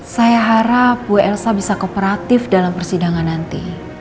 saya harap bu elsa bisa kooperatif dalam persidangan nanti